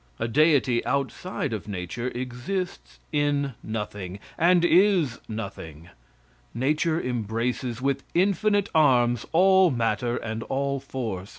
A deity outside of nature exists in nothing, and is nothing. Nature embraces with infinite arms all matter and all force.